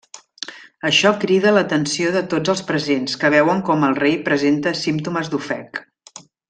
Això crida l'atenció de tots els presents que veuen com el rei presenta símptomes d'ofec.